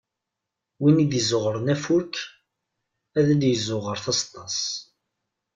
Win i d-izzuɣren afurk, ad d-izzuɣer taseṭṭa-s.